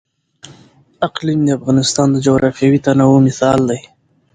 اقلیم د افغانستان د جغرافیوي تنوع مثال دی.